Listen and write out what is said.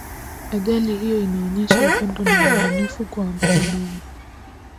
ajali hiyo inaonyesha upendo na uaminifu kwa mwanaume